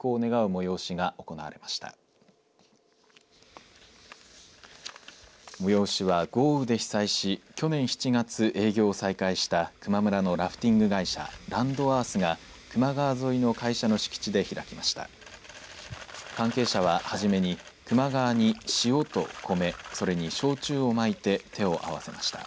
催しは、豪雨で被災し去年７月営業を再開した球磨村のラフティング会社ランドアースが球磨川沿いの会社の敷地で開きました。